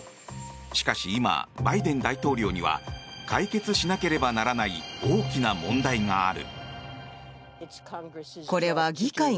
しかし今、バイデン大統領には解決しなければならない大きな問題がある。